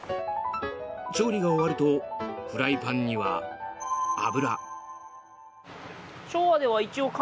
調理が終わるとフライパンには油。